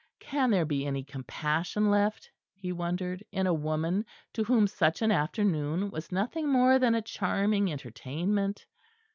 Can there be any compassion left, he wondered, in a woman to whom such an afternoon was nothing more than a charming entertainment?